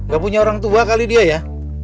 gak punya orang tua kali dia ya